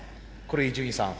これ伊集院さん